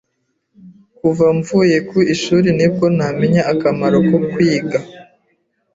Kuva mvuye ku ishuri ni bwo namenye akamaro ko kwiga.